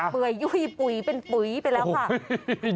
ื่ยยุ่ยปุ๋ยเป็นปุ๋ยไปแล้วค่ะ